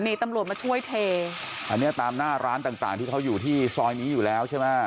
นี่ตำรวจมาช่วยเทอันเนี้ยตามหน้าร้านต่างต่างที่เขาอยู่ที่ซอยนี้อยู่แล้วใช่ไหม